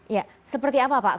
ya seperti apa pak